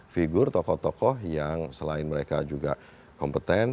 figur tokoh tokoh yang selain mereka juga kompeten